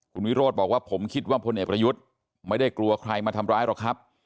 คุณวิโรธบอกว่าผมคิดว่าพลเอกประยุทธ์ไม่ได้กลัวใครมาทำร้ายหรอกครับ